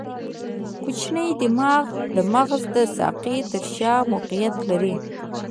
کوچنی دماغ د مغز د ساقې تر شا موقعیت لري.